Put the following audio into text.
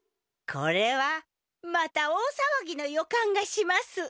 これはまた大さわぎの予感がします